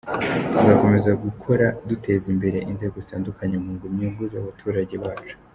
Tuzakomeza gukora duteza imbere inzego zitandukanye mu nyungu z’abaturage bacu.